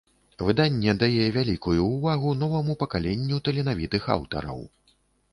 Выданне дае вялікую ўвагу новаму пакаленню таленавітых аўтараў.